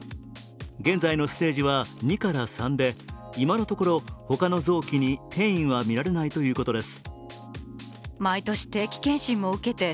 現在のステージは２から３で今のところほかの臓器に転移は見られないということです。